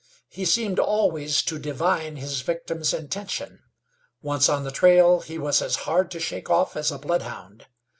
He seemed always to divine his victim's intention. Once on the trail he was as hard to shake off as a bloodhound.